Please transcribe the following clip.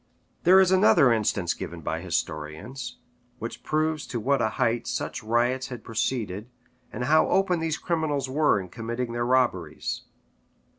There is another instance given by historians, which proves to what a height such riots had proceeded, and how open these criminals were in committing their robberies.